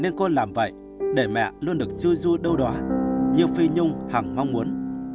nên cô làm vậy để mẹ luôn được chui ru đâu đòa như phi nhung hẳng mong muốn